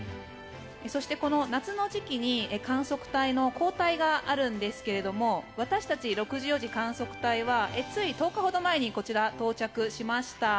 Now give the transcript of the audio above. そして、夏の時期に観測隊の交代があるんですが私たち６４次観測隊はつい１０日ほど前にこちらに到着しました。